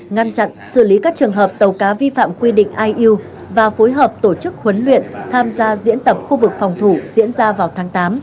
ngăn chặn xử lý các trường hợp tàu cá vi phạm quy định iuu và phối hợp tổ chức huấn luyện tham gia diễn tập khu vực phòng thủ diễn ra vào tháng tám